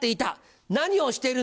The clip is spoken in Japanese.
何をしているの？